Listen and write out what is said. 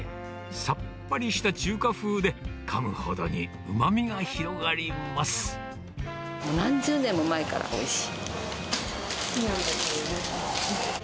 さっぱりした中華風で、かむほど何十年も前からおいしい。